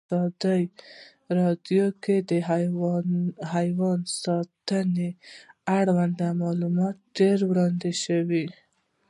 په ازادي راډیو کې د حیوان ساتنه اړوند معلومات ډېر وړاندې شوي.